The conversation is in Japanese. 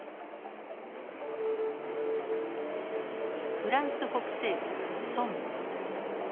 フランス北西部ソンム。